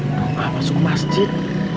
dumpa masuk masjid